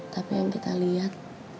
tapi yang kita liat